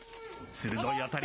鋭い当たり。